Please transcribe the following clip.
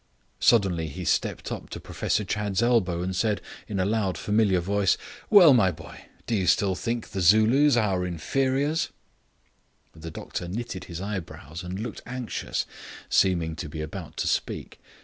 Suddenly he stepped up to Professor Chadd's elbow, and said, in a loud familiar voice, "Well, my boy, do you still think the Zulus our inferiors?" The doctor knitted his brows and looked anxious, seeming to be about to speak.